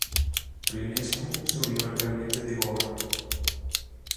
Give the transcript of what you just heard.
Călinescu se unió al gabinete Goga.